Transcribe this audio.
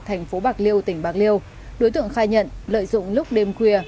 thành phố bạc liêu tỉnh bạc liêu đối tượng khai nhận lợi dụng lúc đêm khuya